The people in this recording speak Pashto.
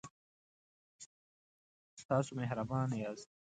تاسو مهربان یاست